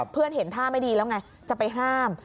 เห็นท่าไม่ดีแล้วไงจะไปห้าม